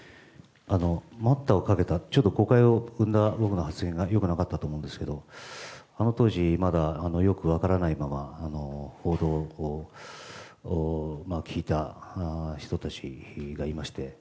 待ったをかけたというのは誤解を生んだ僕の発言が良くなかったと思うんですけどあの当時まだよく分からないまま報道を聞いた人たちがいまして。